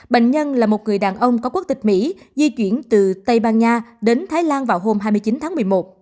bệnh nhân là một người đàn ông có quốc tịch mỹ di chuyển từ tây ban nha đến thái lan vào hôm hai mươi chín tháng một mươi một